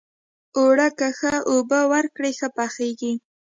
اوړه که ښه اوبه ورکړې، ښه پخیږي